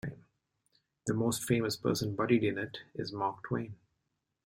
The most famous person buried in it is Mark Twain.